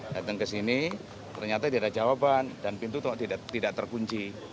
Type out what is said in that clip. datang ke sini ternyata tidak ada jawaban dan pintu tidak terkunci